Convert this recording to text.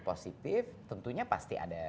positif tentunya pasti ada